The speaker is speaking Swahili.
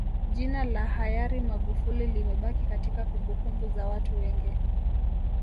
jina la hayari magufuli limebaki katika kumbukumbu za watu wengi